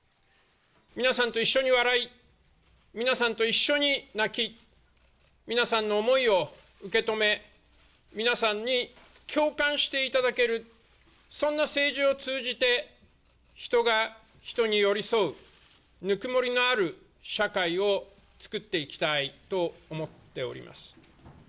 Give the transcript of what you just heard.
皆さんと一緒に笑い、皆さんと一緒に泣き、皆さんの思いを受け止め、皆さんに共感していただける、そんな政治を通じて、人が人に寄り添うぬくもりのある社会を作っていきたいと思っております。